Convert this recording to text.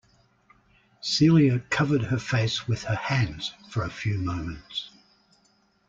Celia covered her face with her hands for a few moments.